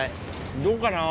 どうかな？